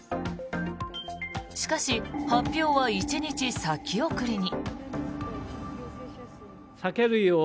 しかし、発表は１日先送りに。